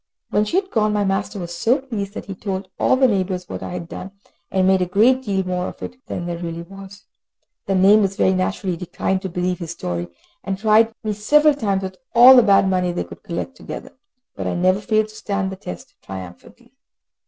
When she had gone, my master was so pleased that he told all the neighbours what I had done, and made a great deal more of it than there really was. The neighbours, very naturally, declined to believe his story, and tried me several times with all the bad money they could collect together, but I never failed to stand the test triumphantly.